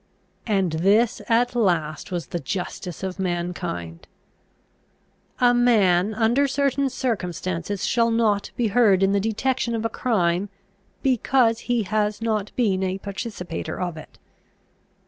And this at last was the justice of mankind! A man, under certain circumstances, shall not be heard in the detection of a crime, because he has not been a participator of it!